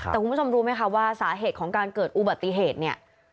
แต่คุณผู้ชมรู้ไหมคะว่าสาเหตุของการเกิดอุบัติเหตุเนี่ย